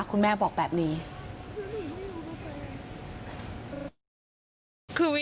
คุณแม่บอกแบบนี้